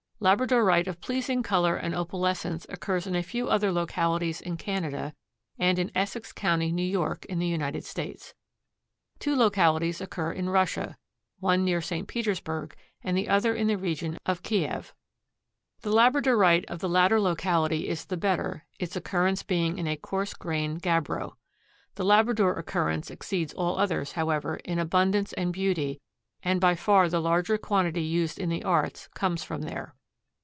Labradorite of pleasing color and opalescence occurs in a few other localities in Canada, and in Essex county, New York, in the United States. Two localities occur in Russia, one near St. Petersburg and the other in the region of Kiew. The labradorite of the latter locality is the better, its occurrence being in a coarse grained gabbro. The Labrador occurrence exceeds all others, however, in abundance and beauty and by far the larger quantity used in the arts comes from there.